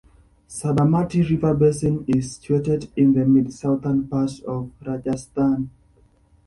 Sabarmati river basin is situated in the mid-southern part of Rajasthan.